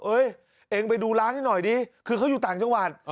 เองไปดูร้านให้หน่อยดิคือเขาอยู่ต่างจังหวัด